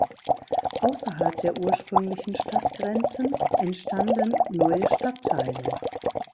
Außerhalb der ursprünglichen Stadtgrenzen entstanden neue Stadtteile.